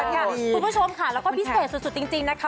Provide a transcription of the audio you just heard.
คุณผู้ชมค่ะแล้วก็พิเศษสุดจริงนะคะ